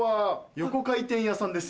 横回転屋さんだ